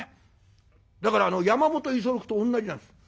だから山本五十六とおんなじなんです。